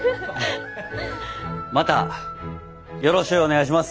またよろしゅうお願いします。